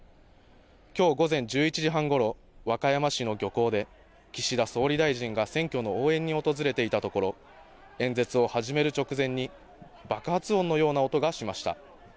きょう午前１１時半ごろ、和歌山市の漁港で岸田総理大臣が選挙の応援に訪れていたところ演説を始める直前に爆発音のような音がしました。